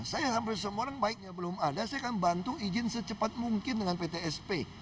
saya sampai semua orang baiknya belum ada saya akan bantu izin secepat mungkin dengan ptsp